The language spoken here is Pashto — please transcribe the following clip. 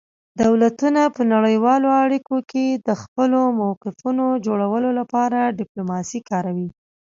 دولتونه په نړیوالو اړیکو کې د خپلو موقفونو جوړولو لپاره ډیپلوماسي کاروي